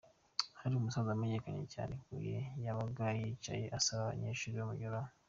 Hiri umusaza wamenyekanye cyane i Huye, yabaga yicaye asaba abanyeshuri bamunyuraho.